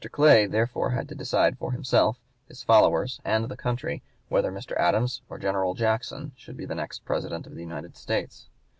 Clay therefore had to decide for himself, his followers, and the country whether Mr. Adams or General Jackson should be the next President of the United States.